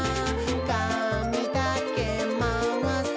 「かみだけまわす」